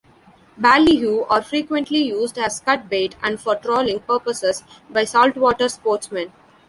Ballyhoo are frequently used as cut bait and for trolling purposes by saltwater sportsmen.